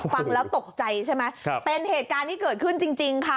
ฟังแล้วตกใจใช่ไหมเป็นเหตุการณ์ที่เกิดขึ้นจริงค่ะ